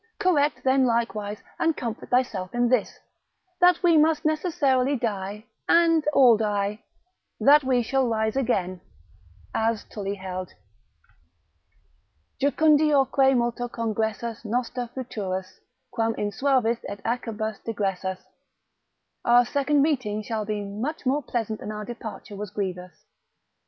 Correct then likewise, and comfort thyself in this, that we must necessarily die, and all die, that we shall rise again: as Tully held; Jucundiorque multo congressus noster futurus, quam insuavis et acerbus digressus, our second meeting shall be much more pleasant than our departure was grievous.